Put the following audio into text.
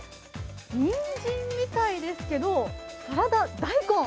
にんじんみたいですけどサラダ大根。